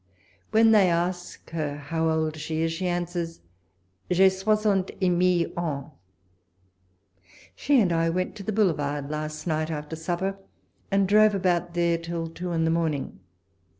When they ask her how old she is, she answers, " J'ai soixante et mille ans." She and I went to the Boulevard last night after supper, and drove about there till two in the morning.